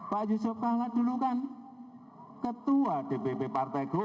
pak yusuf kalla dulu kan ketua dpp partai golkar